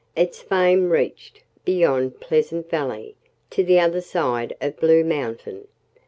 Its fame reached beyond Pleasant Valley, to the other side of Blue Mountain.